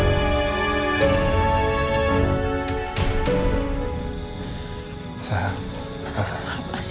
lo kesini mau nyari gue kan sah